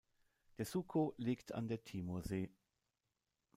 Der Suco liegt an der Timorsee.